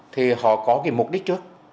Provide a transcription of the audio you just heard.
thì họ có cái mục đích trước